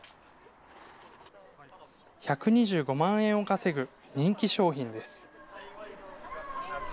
１２５万円を稼ぐ人気商品です。